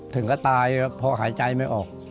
ถึงก็ตายพอหายใจไม่ออก